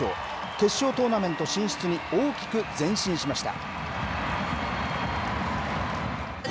決勝トーナメント進出に大きく前進しました。